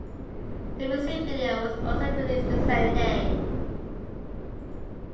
The music video was also released the same day.